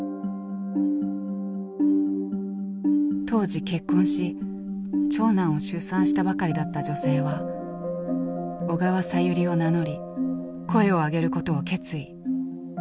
当時結婚し長男を出産したばかりだった女性は「小川さゆり」を名乗り声を上げることを決意。